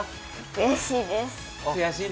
悔しいです。